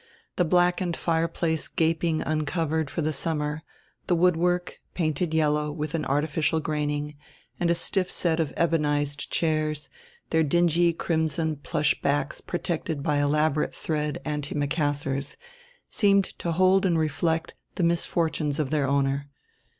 The blackened fireplace gaping uncovered for the summer, the woodwork, painted yellow with an artificial graining, and a stiff set of ebonized chairs, their dingy crimson plush backs protected by elaborate thread antimacassars, seemed to hold and reflect the misfortunes of their owner.